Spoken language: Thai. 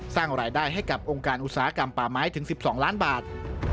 สร้างรายได้ให้กับองค์การอุตสาหกรรมป่าไม้ถึง๑๒ล้านบาท